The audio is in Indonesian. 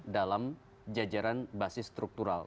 dalam jajaran basis struktural